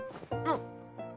あっ！